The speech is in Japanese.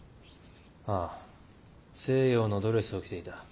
ああ西洋のドレスを着ていた。